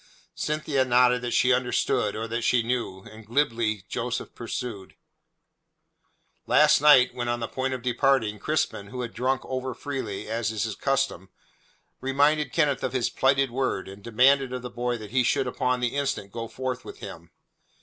Cynthia nodded that she understood or that she knew, and glibly Joseph pursued: "Last night, when on the point of departing, Crispin, who had drunk over freely, as is his custom, reminded Kenneth of his plighted word, and demanded of the boy that he should upon the instant go forth with him.